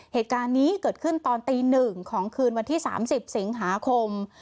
เหตุการณ์นี้เกิดขึ้นตอนตี๑ของคืนวันที่๓๐สิงหาคม